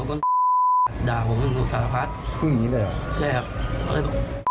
เขาด่าผมด่าผมพึ่งอย่างงี้เลยเหรอใช่ครับ